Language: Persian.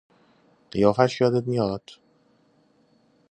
قیافهاش یادت میآید؟